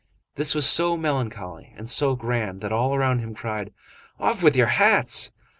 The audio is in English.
This was so melancholy and so grand that all around him cried: "Off with your hats!"